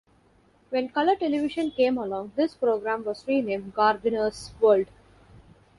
When colour television came along, this programme was renamed "Gardeners' World".